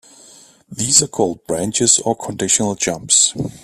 These are called branches, or conditional jumps.